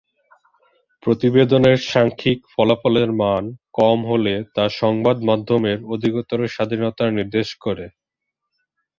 প্রতিবেদনের সাংখ্যিক ফলাফলের মান কম হলে তা সংবাদমাধ্যমের অধিকতর স্বাধীনতা নির্দেশ করে।